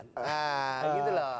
nah gitu loh